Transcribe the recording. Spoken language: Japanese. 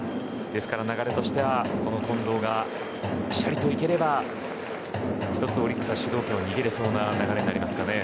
ですから流れとしては近藤がぴしゃりといければ１つ、オリックスが主導権を握れそうな流れになりますかね。